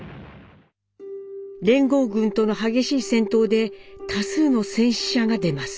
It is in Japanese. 連合軍との激しい戦闘で多数の戦死者が出ます。